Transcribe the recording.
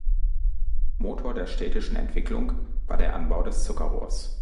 Motor der städtischen Entwicklung war der Anbau des Zuckerrohrs.